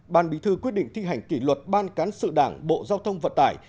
ban bí thư quyết định thi hành kỷ luật ban cán sự đảng bộ giao thông vận tải